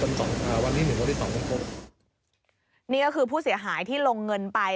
นี่ก็คือผู้เสียหายที่ลงเงินไป